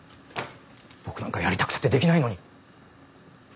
僕なんかやりたくたってできないのに。